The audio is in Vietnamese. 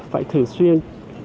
phải thường xuyên